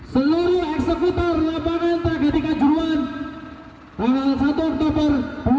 sarat tangkap dan adili seluruh eksekutor lapangan tragedikan juruan tanggal satu oktober dua ribu dua puluh dua